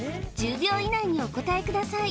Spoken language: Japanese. １０秒以内にお答えください